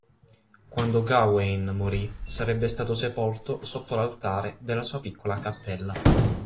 Quando Gawain morì sarebbe stato sepolto sotto l'altare della sua piccola cappella.